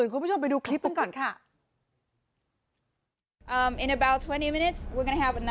หาขายดีมากจนได้ทริปเป็นหมื่น